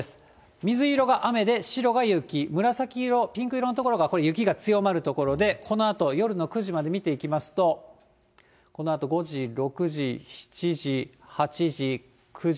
水色が雨で、白が雪、紫色、ピンク色の所がこれ、雪が強まる所で、このあと夜の９時まで見ていきますと、このあと５時、６時、７時、８時、９時。